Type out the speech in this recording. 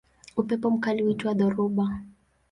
Upepo mkali huitwa dhoruba.